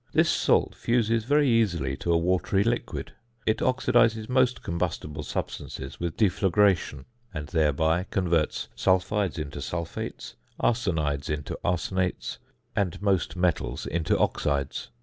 This salt fuses very easily to a watery liquid. It oxidises most combustible substances with deflagration, and thereby converts sulphides into sulphates, arsenides into arsenates, and most metals into oxides.